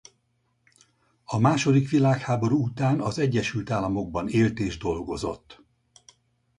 A második világháború után az Egyesült Államokban élt és dolgozott.